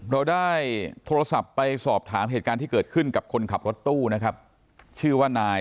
เราได้โทรศัพท์ไปสอบถามเหตุการณ์ที่เกิดขึ้นกับคนขับรถตู้นะครับชื่อว่านาย